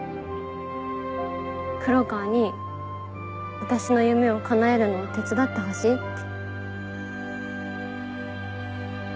黒川に私の夢をかなえるのを手伝ってほしいって。